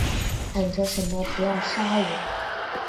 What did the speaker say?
喊着什么不要杀我